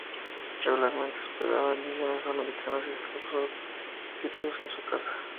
Regularmente, hospedaba indígenas americanos y esclavos fugitivos en su casa.